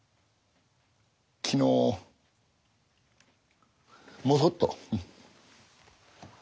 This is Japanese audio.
昨日もそっと。